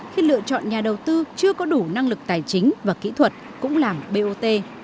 khi lựa chọn nhà đầu tư chưa có đủ năng lực tài chính và kỹ thuật cũng làm bot